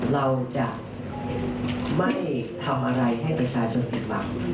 เราจะไม่ทำอะไรให้ประชาชนรึเปล่า